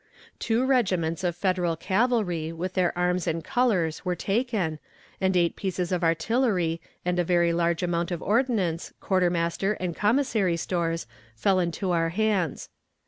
Two regiments of Federal cavalry with their arms and colors were taken, and eight pieces of artillery and a very large amount of ordnance, quartermaster, and commissary stores fell into our hands.